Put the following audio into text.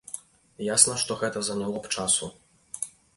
Ясна, што гэта заняло б часу.